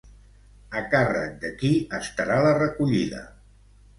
A càrrec de qui estarà la recollida?